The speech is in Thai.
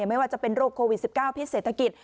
ไม่ว่าจะเป็นโรคโควิด๑๙พิษเศรษฐกิจ